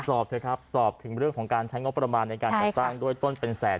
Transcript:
สอบเถอะครับสอบถึงเรื่องของการใช้งบประมาณในการก่อสร้างด้วยต้นเป็นแสน